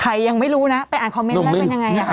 ยังไม่รู้นะไปอ่านคอมเมนต์แล้วเป็นยังไง